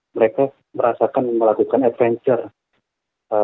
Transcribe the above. mereka merasakan melakukan adventure